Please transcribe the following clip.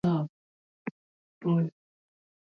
ya petroli Utajiri huo unapatikana kwa viwango